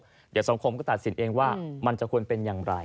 เดี๋ยวสังคมก็ตัดสินเองว่ามันจะควรเป็นอย่างไร